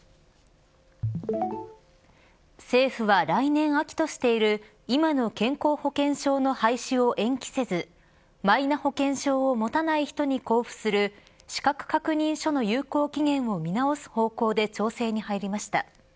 政府は、来年秋としている今の健康保険証の廃止を延期せずマイナ保険証を持たない人に交付する資格確認書の有効期限を見直す方向で調整に入りました。